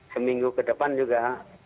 seminggu ke depan juga